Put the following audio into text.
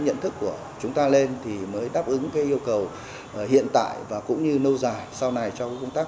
sẽ tiếp tục cùng các anh trên hành trình đi tìm sự thật